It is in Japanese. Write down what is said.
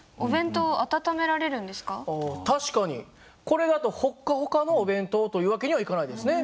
これだとほっかほかのお弁当という訳にはいかないですね。